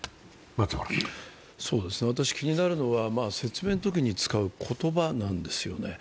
気になるのは説明のときに使う言葉なんですよね。